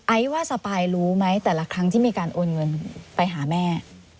ว่าสปายรู้ไหมแต่ละครั้งที่มีการโอนเงินไปหาแม่